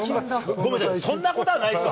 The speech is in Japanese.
ごめんなさい、そんなことはないですよ。